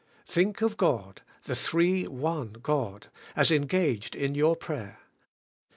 Think of God, the Three One God, as engaged in your prayer.